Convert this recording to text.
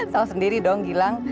tau sendiri dong gilang